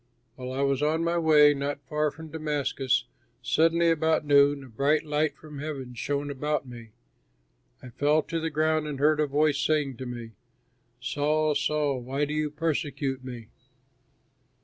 While I was on my way not far from Damascus, suddenly, about noon, a bright light from heaven shone around me. I fell to the ground and heard a voice saying to me, 'Saul, Saul, why do you persecute me?'